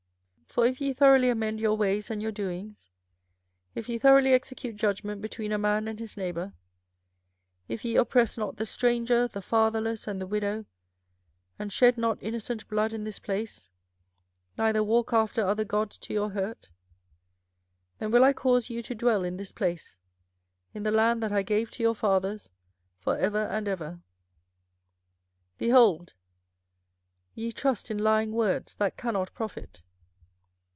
24:007:005 For if ye throughly amend your ways and your doings; if ye throughly execute judgment between a man and his neighbour; 24:007:006 If ye oppress not the stranger, the fatherless, and the widow, and shed not innocent blood in this place, neither walk after other gods to your hurt: 24:007:007 Then will I cause you to dwell in this place, in the land that I gave to your fathers, for ever and ever. 24:007:008 Behold, ye trust in lying words, that cannot profit.